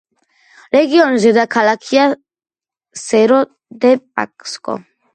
რეგიონის დედაქალაქია სერო-დე-პასკო.